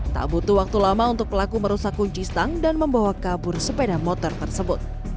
tak butuh waktu lama untuk pelaku merusak kunci stang dan membawa kabur sepeda motor tersebut